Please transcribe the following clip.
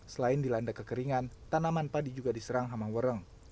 selain dilanda kekeringan tanaman padi juga diserang hamawereng